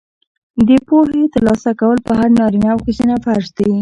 د پوهې ترلاسه کول په هر نارینه او ښځینه فرض دي.